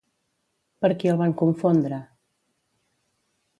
Per qui el van confondre?